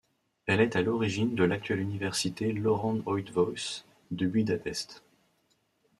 Elle est à l'origine de l'actuelle université Loránd Eötvös de Budapest.